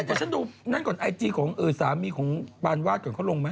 แต่ฉันดูนั่นก่อนไอจีของสามีของปานวาดก่อนเขาลงไหม